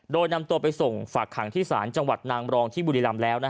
โดยนำตัวไปส่งฝากขังที่ศาลจังหวัดนางรองที่บุรีรำแล้ว